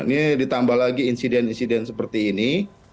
ini ditambah lagi insiden insiden seperti ini